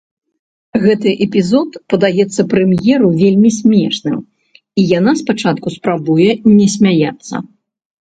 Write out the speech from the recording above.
Гэты эпізод падаецца прэм'еру вельмі смешным, і яна спачатку спрабуе не смяяцца.